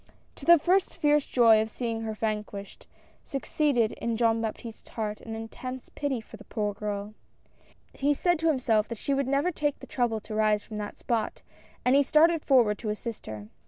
To the first fierce joy of seeing her vanquished, suc ceeded in Jean Baptiste's h^art an intense pity for the poor girl. He said to himself that she would never take the trouble to rise from that spot, and he started forward to assist her.